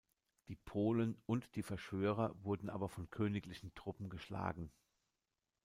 Die Polen und die Verschwörer wurden aber von königlichen Truppen geschlagen.